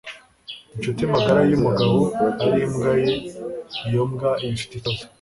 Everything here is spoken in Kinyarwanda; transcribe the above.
inshuti magara y'umugabo ari imbwa ye, iyo mbwa iba ifite ikibazo